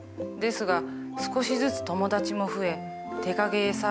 ですが少しずつ友達も増え手影絵